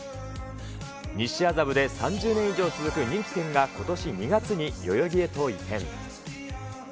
西麻布で３０年以上続く人気店が、ことし２月に代々木へと移転。